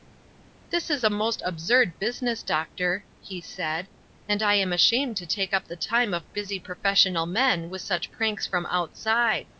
"This is a most absurd business, Doctor," he said, "and I am ashamed to take up the time of busy professional men with such pranks from outside.